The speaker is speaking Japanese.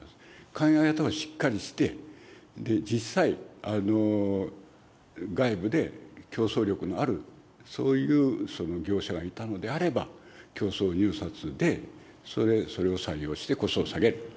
考え方をしっかりして、実際、外部で競争力のある、そういう業者がいたのであれば、競争入札でそれを採用して、コストを下げる。